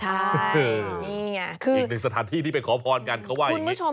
นี่ไงคืออีกหนึ่งสถานที่ที่ไปขอพรกันเขาว่าอย่างนี้